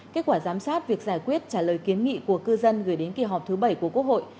kết quả giám sát việc giải quyết trả lời kiến nghị của cư dân gửi đến kỳ họp thứ bảy của quốc hội